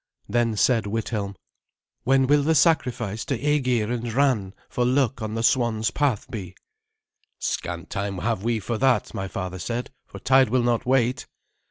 Then said Withelm, "When will the sacrifice to Aegir and Ran for luck on the swan's path be?" "Scant time have we for that," my father said, "for tide will not wait."